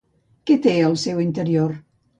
Què té al seu interior?